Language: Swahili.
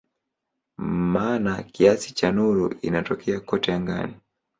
Maana kiasi cha nuru inatokea kote angani.